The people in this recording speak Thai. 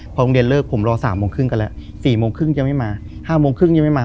พอโรงเรียนเลิกผมรอ๓โมงครึ่งกันแล้ว๔โมงครึ่งจะไม่มา๕โมงครึ่งยังไม่มา